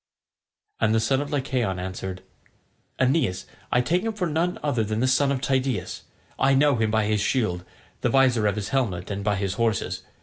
And the son of Lycaon answered, "Aeneas, I take him for none other than the son of Tydeus. I know him by his shield, the visor of his helmet, and by his horses.